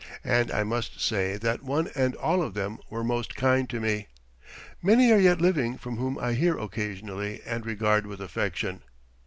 And I must say that one and all of them were most kind to me. Many are yet living from whom I hear occasionally and regard with affection.